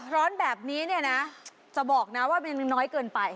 ร้อนแบบนี้เนี่ยนะจะบอกนะว่ามันน้อยเกินไป